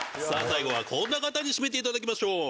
最後はこんな方にしめていただきましょう！